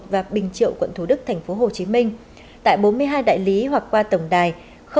và bình triệu quận thủ đức tp hcm tại bốn mươi hai đại lý hoặc qua tổng đài tám nghìn ba trăm ba mươi ba